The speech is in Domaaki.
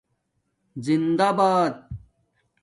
زندہ بات